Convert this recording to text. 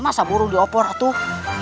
masa burung di opor atuh